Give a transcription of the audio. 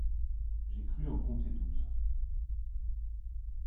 J’ai cru en compter douze…